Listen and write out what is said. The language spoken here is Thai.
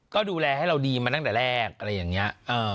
ก็ดูแลให้เราดีมาตั้งแต่แรกอะไรอย่างนี้